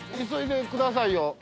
急いでくださいよ。